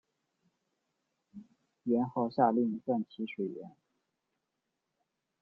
元昊下令断其水源。